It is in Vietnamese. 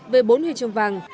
về bốn huyền trường vàng